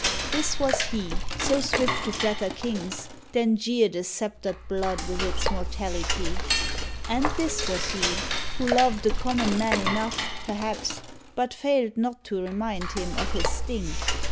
This was he so swift To flatter kings, then jeer the sceptred blood With its mortality. And this was he 62 SHAKESPEARE Who loved the common man enough, perhaps, But failed not to remind him of his stink.